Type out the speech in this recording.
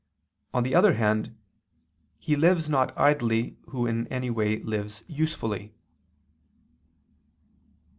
On the other hand, he lives not idly who in any way lives usefully.